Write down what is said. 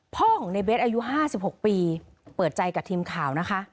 พ่อของในเบสอายุ๕๖ปีเปิดใจกับทีมข่าวนะคะ